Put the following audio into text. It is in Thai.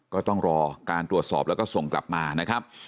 ก็ต้องรอการตรวจสอบแล้วก็ส่งกลับมานะครับ